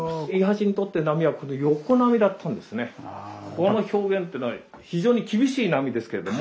この表現っていうのは非常に厳しい波ですけれども。